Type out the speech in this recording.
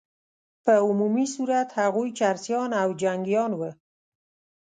په عمومي صورت هغوی چرسیان او جنګیان وه.